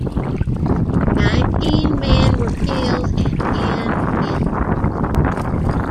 Nineteen men were killed and ten injured.